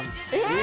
え！